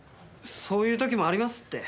そういう時もありますって。